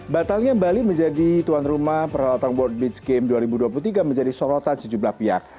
batalnya bali menjadi tuan rumah peralatan world beach game dua ribu dua puluh tiga menjadi sorotan sejumlah pihak